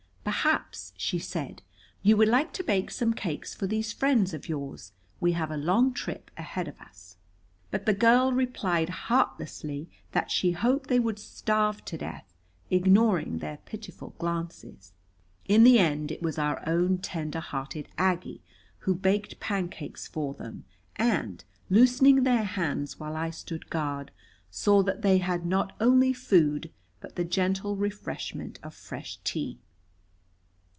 "Perhaps," she said, "you would like to bake some cakes for these friends of yours. We have a long trip ahead of us." But the girl replied heartlessly that she hoped they would starve to death, ignoring their pitiful glances. In the end it was our own tender hearted Aggie who baked pancakes for them and, loosening their hands while I stood guard, saw that they had not only food but the gentle refreshment of fresh tea.